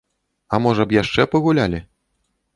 А можа б, яшчэ пагулялі?